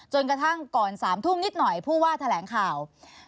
จนกระทั่งก่อน๓ทุ่มนิดหน่อยผู้ว่าแถลงข่าว